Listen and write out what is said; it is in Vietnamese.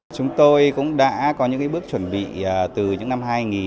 chúng tôi cũng đã có những bước chuẩn bị từ những năm hai nghìn